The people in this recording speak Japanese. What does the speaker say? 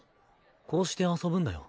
こうして遊ぶんだよ。